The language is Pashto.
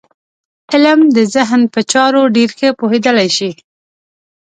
علم ذهن په چارو ډېر ښه پوهېدلی شي.